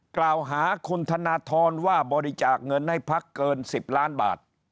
กล่าวหาคุณธนทรว่าบริจาคเงินให้พักเกิน๑๐ล้านบาท